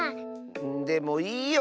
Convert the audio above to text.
でもいいよ